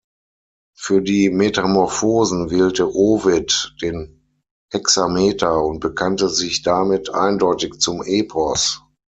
Für die "Metamorphosen" wählte Ovid den Hexameter und bekannte sich damit eindeutig zum Epos.